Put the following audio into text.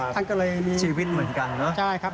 ท่านก็เลยมีชีวิตเหมือนกันเนอะใช่ครับ